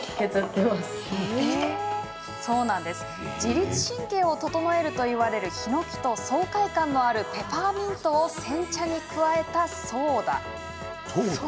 自律神経を整えるといわれるヒノキと爽快感のあるペパーミントを煎茶に加えたソーダ。